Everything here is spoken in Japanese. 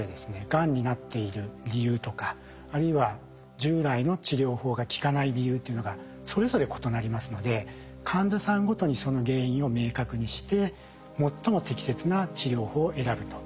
がんになっている理由とかあるいは従来の治療法が効かない理由というのがそれぞれ異なりますので患者さんごとにその原因を明確にして最も適切な治療法を選ぶと。